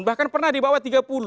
bahkan pernah di bawah tiga puluh